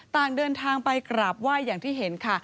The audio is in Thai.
ต่างเดินทางไปกราบไหว้อย่างที่เห็นค่ะ